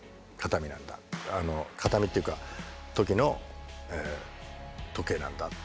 形見っていうかその時の時計なんだっていう。